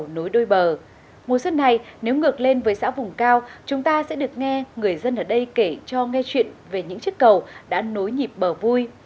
mùa xuân này nếu ngược lên với xã vùng cao chúng ta sẽ được nghe người dân ở đây kể cho nghe chuyện về những chiếc cầu đã nối nhịp bờ vui